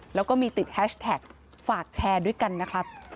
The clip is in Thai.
แล้วก็มีติดแฮชแท็กฝากแชร์ด้วยกันนะครับ